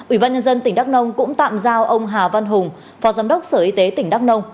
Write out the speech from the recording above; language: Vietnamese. ubnd tỉnh đắk nông cũng tạm giao ông hà văn hùng phó giám đốc sở y tế tỉnh đắk nông